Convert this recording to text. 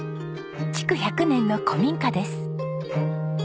築１００年の古民家です。